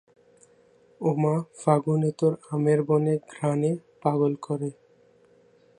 ও মা, ফাগুনে তোর আমের বনে ঘ্রাণে পাগল করে